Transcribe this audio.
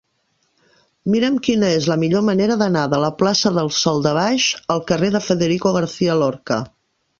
Mira'm quina és la millor manera d'anar de la plaça del Sòl de Baix al carrer de Federico García Lorca.